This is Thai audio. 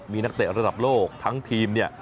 มีนักเตะระดับโลกทั้งตัวธีมนี้